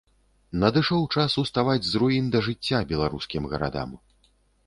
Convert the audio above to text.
Надышоў час уставаць з руін да жыцця беларускім гарадам.